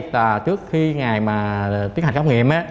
và trước khi ngày mà tiến hành khám nghiệm á